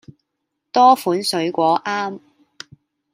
多款水果啱